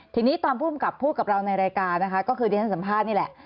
ทีนี้ตอนผู้กำกับพูดกับเราในรายการนะคะก็คือที่ฉันสัมภาษณ์นี่แหละ